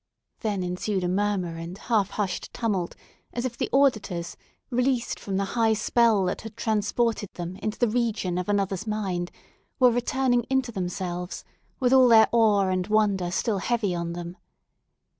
Then ensued a murmur and half hushed tumult, as if the auditors, released from the high spell that had transported them into the region of another's mind, were returning into themselves, with all their awe and wonder still heavy on them.